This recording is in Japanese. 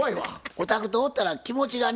お宅とおったら気持ちがね